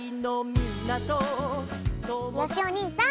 よしおにいさん